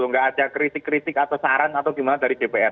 nggak ada kritik kritik atau saran atau gimana dari dpr